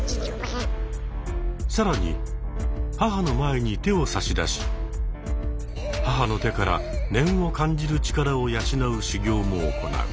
更に母の前に手を差し出し母の手から念を感じる力を養う修行も行う。